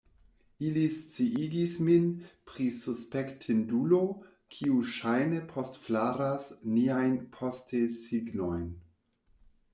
Ili sciigis min pri suspektindulo, kiu ŝajne postflaras niajn postesignojn.